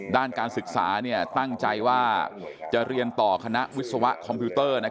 ด้านการศึกษาตั้งใจว่าจะเรียนต่อคณะวิศวะคอมพิวเตอร์